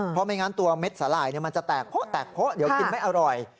เพราะไม่งั้นตัวเม็ดสาหร่ายมันจะแตกเดี๋ยวติดไม่อร่อย